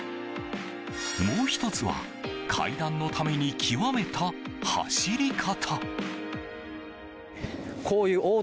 もう１つは階段のために極めた走り方。